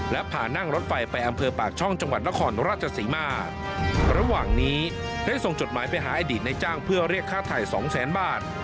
และพานั่งรถไฟไปอำเภอปากช่องจังหวัดนครราชศรีมาระหว่างนี้ได้ส่งจดหมายไปหาอดีตในจ้างเพื่อเรียกค่าถ่ายสองแสนบาท